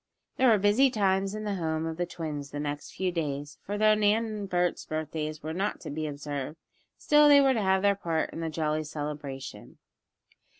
There were busy times in the home of the twins the next few days, for though Nan and Bert's birthdays were not to be observed, still they were to have their part in the jolly celebration.